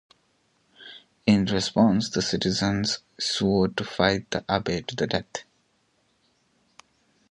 In response, the citizens swore to fight the abbey to the death.